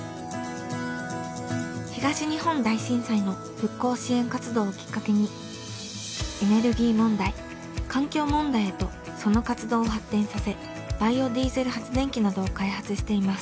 東日本大震災の復興支援活動をきっかけにエネルギー問題環境問題へとその活動を発展させバイオディーゼル発電機などを開発しています。